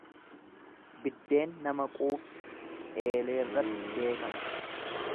Biddeen nama quubsu eeleerratti beekama.